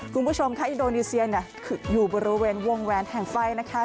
คุณผู้ชมค่ะอินโดนีเซียเนี่ยอยู่บริเวณวงแหวนแห่งไฟนะคะ